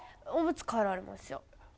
おむつ替えられますよ。